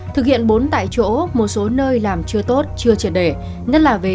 thực hiện bốn tại chỗ một số nơi làm chưa tốt chưa trệt đề